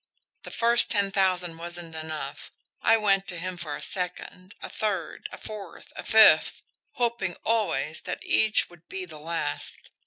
The first ten thousand wasn't enough. I went to him for a second, a third, a fourth, a fifth hoping always that each would be the last.